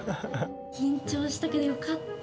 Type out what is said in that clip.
緊張したけどよかったわ！